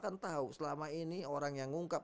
kan tahu selama ini orang yang ngungkap